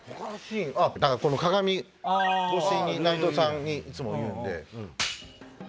鏡越しに内藤さんにいつも言うんで。